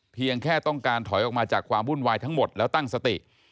เพียงแค่ต้องการถอยออกมาจากความวุ่นวายทั้งหมดแล้วตั้งสติ